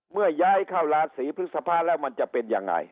เมื่อย้ายเข้าราศีพฤษภาแล้วมันจะเป็นยังไง